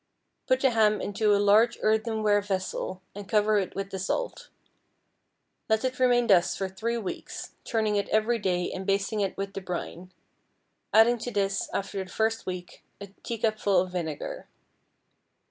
Put the ham into a large earthenware vessel, and cover it with the salt. Let it remain thus for three weeks, turning it every day and basting it with the brine; adding to this, after the first week, a teacupful of vinegar.